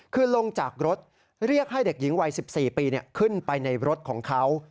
คือลงจากรถเรียกให้เด็กหญิงวัย๑๔ปีขึ้นไปในรถของเขา